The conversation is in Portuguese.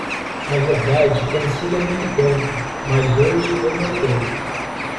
Na verdade, tem sido há muito tempo, mas hoje eu notei.